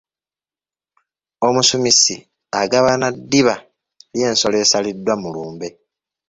Omusumisi agabana ddiba ly’ensolo eyasaliddwa mu lumbe.